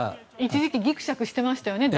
一時期ぎくしゃくしてましたよね。